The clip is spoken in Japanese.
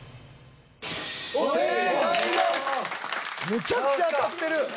めちゃくちゃ当たってる。